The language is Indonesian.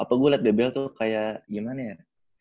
apa gue liat dbl tuh kayak gimana ya